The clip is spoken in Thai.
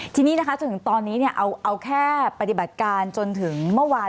ทีนี้นะคะจนถึงตอนนี้เอาแค่ปฏิบัติการจนถึงเมื่อวาน